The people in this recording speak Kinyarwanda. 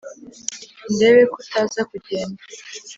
ndebe ko utaza kugenda